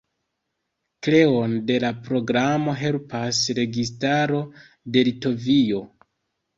Kreon de la programo helpas registaro de Litovio.